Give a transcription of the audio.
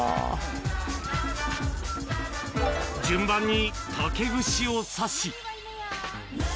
順番に竹串を刺し。